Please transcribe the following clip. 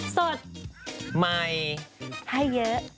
สด